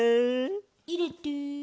いれて。